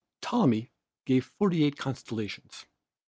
"Ptolemy gave forty eight constellations.